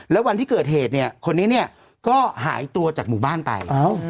แล้ววันที่เกิดเหตุเนี่ยคนนี้เนี่ยก็หายตัวจากหมู่บ้านไป